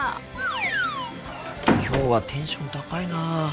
きょうはテンション高いな。